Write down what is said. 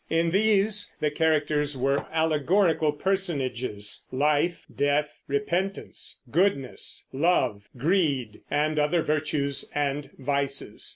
In these the characters were allegorical personages, Life, Death, Repentance, Goodness, Love, Greed, and other virtues and vices.